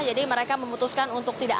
jadi mereka memutuskan untuk tidak